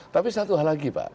tapi satu hal lagi pak